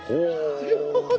なるほど。